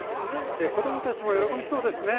子供たちも喜びそうですね。